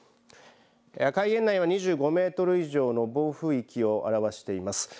赤い円内は２５メートル以上の暴風域を表しています。